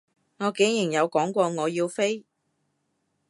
我竟然有講過我要飛？